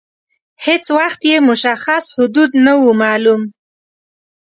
هیڅ وخت یې مشخص حدود نه وه معلوم.